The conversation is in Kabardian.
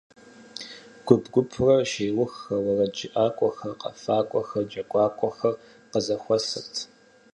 Гуп-гупурэ шууейхэр, уэрэджыӀакӀуэхэр, къэфакӀуэхэр, джэгуакӀуэхэр къызэхуэсырт.